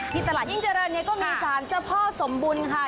ตลาดยิ่งเจริญเนี่ยก็มีสารเจ้าพ่อสมบุญค่ะ